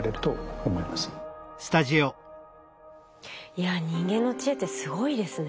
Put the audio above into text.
いや人間の知恵ってすごいですね。